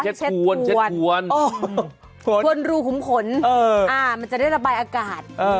ทวนรูขุมขนมันจะได้ระบายอากาศ